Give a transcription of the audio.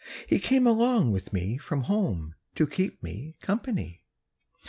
He came along with me from home To keep me company.